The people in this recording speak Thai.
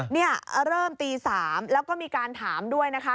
เริ่มตี๓นาทีแล้วก็มีการถามด้วยนะครับ